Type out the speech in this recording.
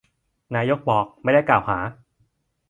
นายก บอกไม่ได้กล่าวหา